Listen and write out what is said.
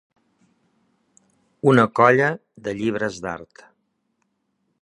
Una colla de llibres d'art.